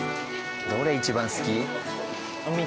どれ一番好き？